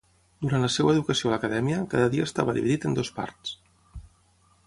Durant la seva educació a l'Acadèmia, cada dia estava dividit en dues parts.